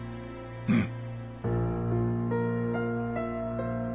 うん。